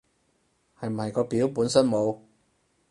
係唔係個表本身冇